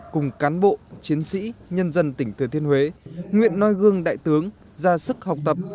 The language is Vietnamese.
cùng cán bộ chiến sĩ nhân dân tỉnh thừa thiên huế nguyện noi gương đại tướng ra sức học tập